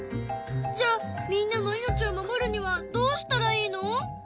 じゃみんなの命を守るにはどうしたらいいの？